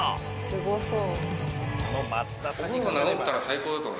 すごそう。